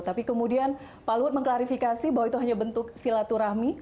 tapi kemudian pak luhut mengklarifikasi bahwa itu hanya bentuk silaturahmi